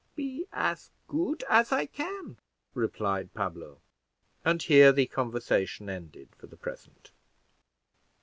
"Be as good as I can," replied Pablo; and here the conversation ended for the present.